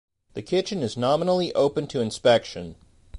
The kitchen is nominally open to inspection.